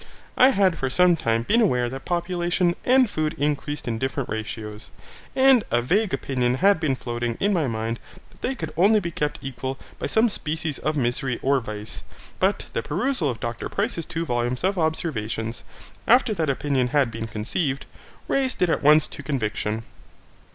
I had for some time been aware that population and food increased in different ratios, and a vague opinion had been floating in my mind that they could only be kept equal by some species of misery or vice, but the perusal of Dr Price's two volumes of Observations, after that opinion had been conceived, raised it at once to conviction.